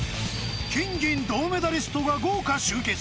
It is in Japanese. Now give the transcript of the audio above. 金銀銅メダリストが豪華集結！